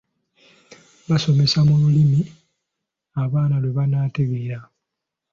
Basomesa mu Lulimi abaana lwe batategeera